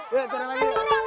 yuk cari lagi